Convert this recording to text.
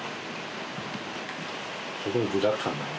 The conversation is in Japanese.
すごく具だくさんだね。